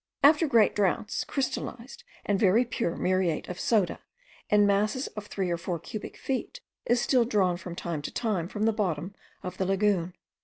After great droughts, crystallized and very pure muriate of soda, in masses of three or four cubic feet, is still drawn from time to time from the bottom of the lagoon.